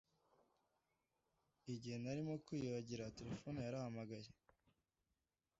Igihe narimo kwiyuhagira, terefone yarahamagaye.